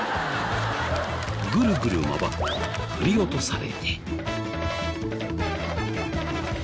グルグル回って振り落とされて。